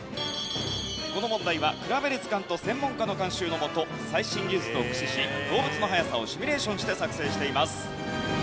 この問題は『くらべる図鑑』と専門家の監修のもと最新技術を駆使し動物の速さをシミュレーションして作成しています。